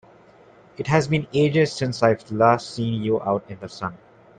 It has been ages since I've last seen you out in the sun!